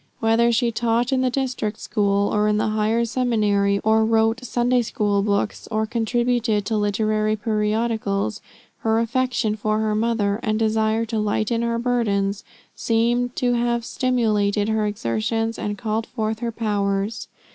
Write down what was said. Whether she taught in the district school, or in the higher seminary, or wrote Sunday school books, or contributed to literary periodicals, her affection for her mother, and desire to lighten her burdens, seem to have stimulated her exertions and called forth her powers.